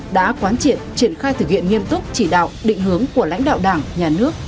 đã quán triệt triển khai thực hiện nghiêm túc chỉ đạo định hướng của lãnh đạo đảng nhà nước